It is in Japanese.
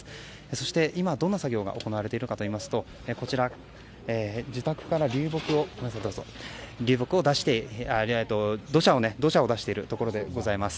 そして今、どんな作業が行われているのかといいますと自宅から土砂を出しているところでございます。